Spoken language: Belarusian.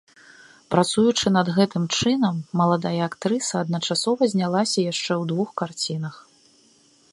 Працуючы над гэтым чынам, маладая актрыса адначасова знялася яшчэ ў двух карцінах.